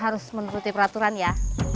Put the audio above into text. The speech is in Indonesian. harus menuruti peraturan ya